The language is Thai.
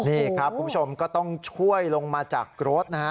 นี่ครับคุณผู้ชมก็ต้องช่วยลงมาจากรถนะฮะ